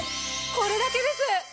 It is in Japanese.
これだけです！